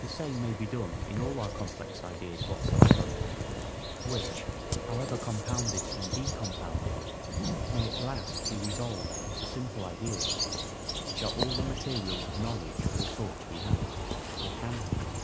The same may be done in all our complex ideas whatsoever; which, however compounded and decompounded, may at last be resolved into simple ideas, which are all the materials of knowledge or thought we have, or can have.